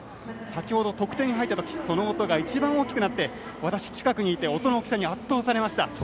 先ほど、得点が入った時その音が一番大きくなって近くにいて音の大きさに圧倒されました。